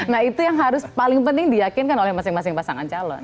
nah itu yang harus paling penting diyakinkan oleh masing masing pasangan calon